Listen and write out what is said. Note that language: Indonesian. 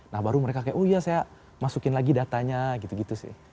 nah baru mereka kayak oh iya saya masukin lagi datanya gitu gitu sih